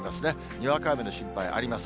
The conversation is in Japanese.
にわか雨の心配あります。